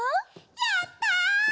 やった！